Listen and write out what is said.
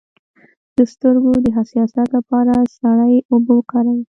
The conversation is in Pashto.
د سترګو د حساسیت لپاره سړې اوبه وکاروئ